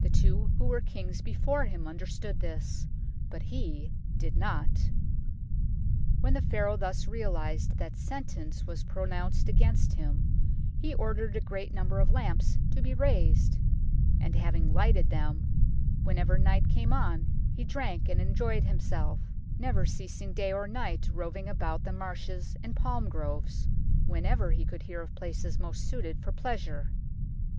The two who were kings before him understood this, but he did not. When the Pharaoh thus realized that sentence was pro nounced against him he ordered a great number of lamps to be raised, and having lighted them, whenever night came on he drank and enjoyed himself, never ceasing day or night roving about the marshes and palm groves, whenever he could hear of places most suited for pleasure.